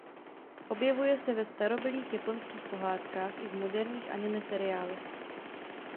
Objevuje se ve starobylých japonských pohádkách i v moderních anime seriálech.